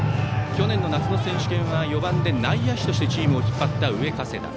去年の夏の選手権では４番で内野手としてチームを引っ張った上加世田。